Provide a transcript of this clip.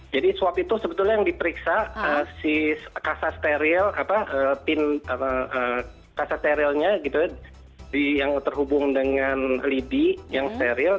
jadi swab itu sebetulnya yang diperiksa si kasus steril pin kasus sterilnya yang terhubung dengan libi yang steril